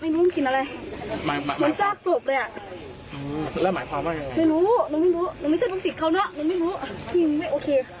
ไม่รู้หนูไม่รู้หนูไม่ใช่ภูมิสิทธิ์เขาเนอะหนูไม่รู้ที่นี่ไม่โอเค